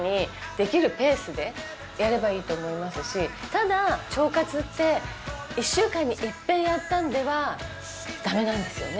ただ腸活って１週間に一遍やったのではダメなんですよね。